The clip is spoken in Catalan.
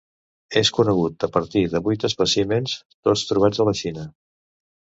És conegut a partir de vuit espècimens, tots trobats a la Xina.